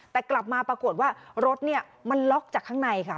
แต่กลับมาปรากฏว่ารถมันล็อกจากข้างในค่ะ